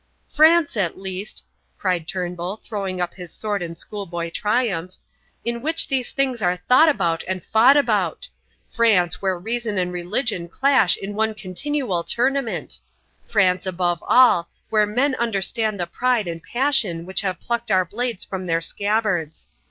"France at least," cried Turnbull, throwing up his sword in schoolboy triumph, "in which these things are thought about and fought about. France, where reason and religion clash in one continual tournament. France, above all, where men understand the pride and passion which have plucked our blades from their scabbards.